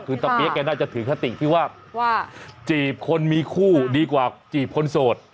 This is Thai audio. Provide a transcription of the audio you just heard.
คือตะเปี๊ยกแกน่าจะถือคติที่ว่าจีบคนมีคู่ดีกว่าจีบคนโสด